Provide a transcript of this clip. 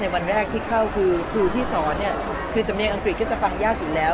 วันแรกที่เข้าคือครูที่สอนคือสำเนียงอังกฤษก็จะฟังยากอยู่แล้ว